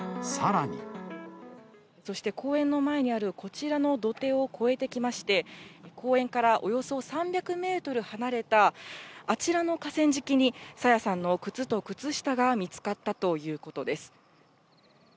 そして、公園の前にあるこちらの土手を越えてきまして、公園からおよそ３００メートル離れた、あちらの河川敷に、朝芽さんの靴と靴下が見つかったということです。